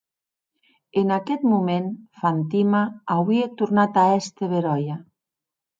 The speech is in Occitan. En aqueth moment Fantina auie tornat a èster beròia.